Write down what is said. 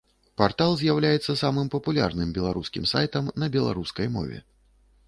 Партал з'яўляецца самым папулярным беларускім сайтам на беларускай мове.